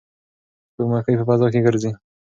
سپوږمکۍ په فضا کې ګرځي.